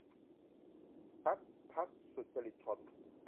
พรรคพรรคสุจริตชน